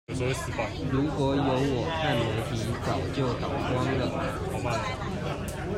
如果有我看媒體早就倒光了！